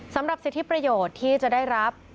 สำหรับสิทธิประโยชน์ที่จะได้รับ